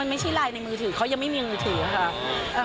ไม่ใช่ไลน์ในมือถือเขายังไม่มีมือถือค่ะ